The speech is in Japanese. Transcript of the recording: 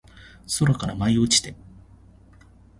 空から舞い落ちて